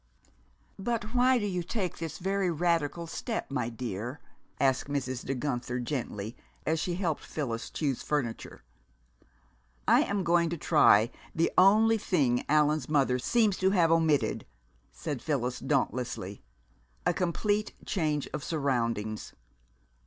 "But why do you take this very radical step, my dear?" asked Mrs. De Guenther gently, as she helped Phyllis choose furniture. "I am going to try the only thing Allan's mother seems to have omitted," said Phyllis dauntlessly. "A complete change of surroundings."